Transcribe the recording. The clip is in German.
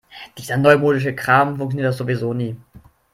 Dieser neumodische Kram funktioniert doch sowieso nie.